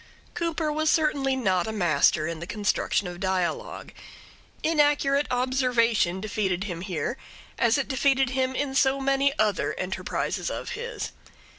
Cooper was certainly not a master in the construction of dialogue. Inaccurate observation defeated him here as it defeated him in so many other enterprises of his.